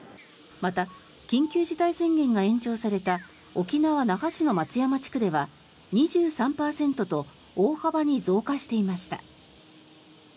また、緊急事態宣言が延長された沖縄・那覇市の松山地区では２３％と大幅に増加していました。